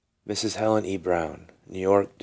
MRS. HELEN E. BROWN. NEW YORK, Dec.